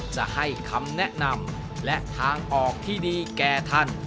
จะให้คำแนะนำและทางออกที่ดีแก่ท่าน